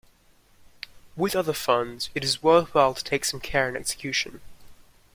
With other funds, it is worthwhile to take some care in execution.